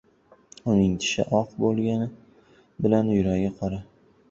• Uning tishi oq bo‘lgani bilan yuragi qora.